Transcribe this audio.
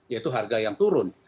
yaitu harga yang turun